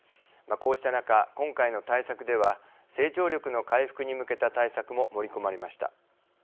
こうした中、今回の対策では成長力の回復に向けた対策も盛り込まれました。